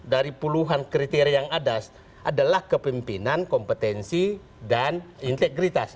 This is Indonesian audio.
dari puluhan kriteria yang ada adalah kepemimpinan kompetensi dan integritas